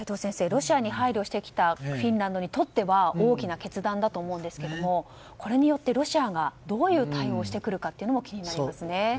ロシアに配慮してきたフィンランドにとっては大きな決断だと思うんですがこれによってロシアがどういう対応をしてくるかというのも気になりますね。